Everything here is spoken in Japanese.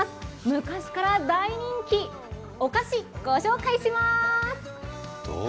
昔から大人気、お菓子をご紹介します。